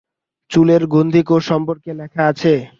চুলের গ্রন্থিকোষ সম্পর্কে লেখা আছে।